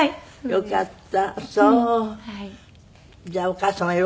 よかった。